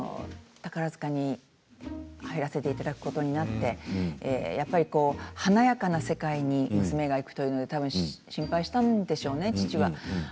宝塚に入らせていただくことになってやっぱり華やかな世界に娘が行くというので心配したんでしょうね、父は。